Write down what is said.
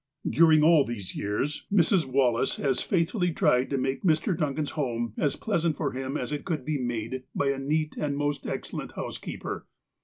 During all these years, Mrs. Wallace has faith 330 THE APOSTLE OF ALASKA fully tried to make Mr. Duncan's home as pleasant for him as it could be made by a neat and most excellent housekeeper.